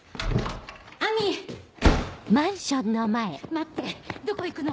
待ってどこ行くの？